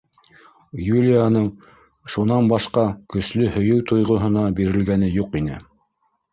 Юлияның шунан башҡа көслө һөйөү тойғоһона бирелгәне юҡ ине.